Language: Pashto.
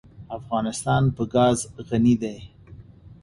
افغانستان په ګاز غني دی.